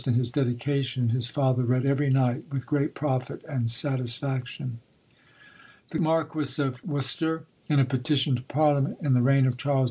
in his dedication, his father read every night with great profit and satisfaction. The Marquis of Worcester, in a petition to parliament, in the reign of Charles II.